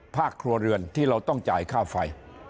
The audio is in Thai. ครัวเรือนที่เราต้องจ่ายค่าไฟ